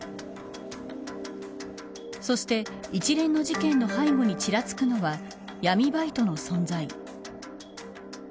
そして、一連の事件の背後にちらつくのは闇バイトの存在。